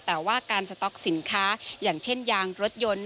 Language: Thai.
แต่ว่าการสต๊อกสินค้าอย่างเช่นยางรถยนต์